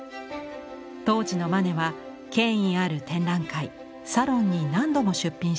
当時のマネは権威ある展覧会サロンに何度も出品します。